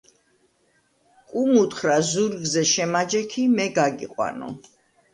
კუმ უთხრა: - ზურგზე შემაჯექი, მე გაგიყვანო!